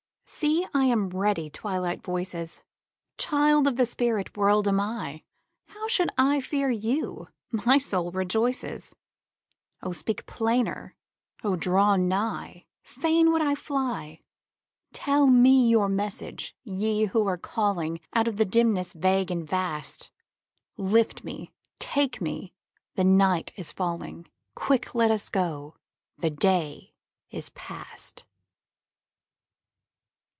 See, I am ready, Twilight voices! Child of the spirit world am I; How should I fear you? my soul rejoices, O speak plainer! O draw nigh! Fain would I fly! Tell me your message, Ye who are calling Out of the dimness vague and vast; Lift me, take me, the night is falling; Quick, let us go, the day is past.